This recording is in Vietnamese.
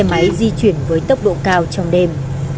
xe máy di chuyển với tốc độ cao trong đêm